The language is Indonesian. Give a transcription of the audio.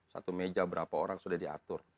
satu meja berapa orang sudah diatur